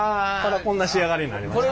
こんな仕上がりになりました。